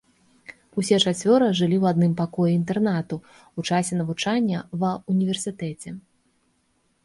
Усе чацвёра жылі ў адным пакоі інтэрнату ў часе навучання ва ўніверсітэце.